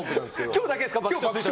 今日だけですか。